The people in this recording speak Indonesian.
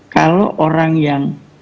kalau orang yang